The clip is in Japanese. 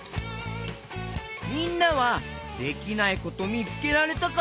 みんなはできないことみつけられたかな？